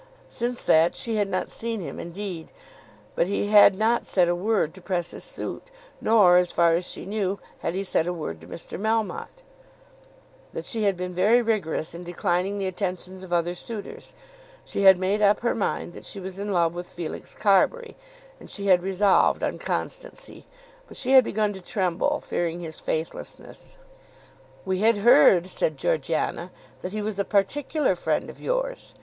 Since that she had seen him, indeed, but he had not said a word to press his suit, nor, as far as she knew, had he said a word to Mr. Melmotte. But she had been very rigorous in declining the attentions of other suitors. She had made up her mind that she was in love with Felix Carbury, and she had resolved on constancy. But she had begun to tremble, fearing his faithlessness. "We had heard," said Georgiana, "that he was a particular friend of yours."